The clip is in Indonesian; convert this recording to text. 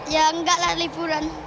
ya enggak lah liburan